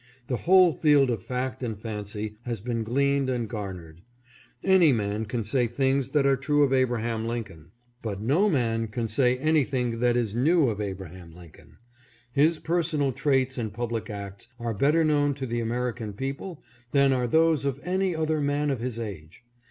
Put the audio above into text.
The whole field of fact and fancy has been gleaned and garnered. Any man can say things that are true of Abraham Lincoln, but no man can say Lincoln's great mission. 593 anything that is new of Abraham Lincoln. His personal traits and public acts are better known to the American people than are those of any other man of his age.